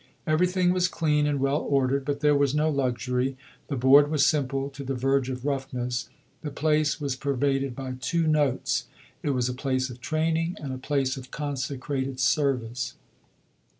Everything was clean and well ordered, but there was no luxury; the board was simple to the verge of roughness. The place was pervaded by two notes. It was a place of training, and a place of consecrated service.